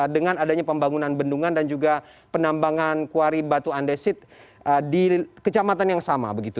dengan adanya pembangunan bendungan dan juga penambangan kuari batu andesit di kecamatan yang sama begitu